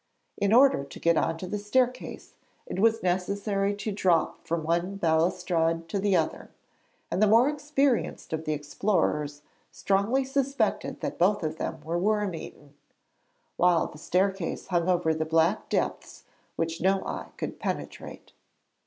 In order to get on to the staircase it was necessary to drop from one balustrade to the other and the more experienced of the explorers strongly suspected that both of them were worm eaten while the staircase hung over black depths which no eye could penetrate.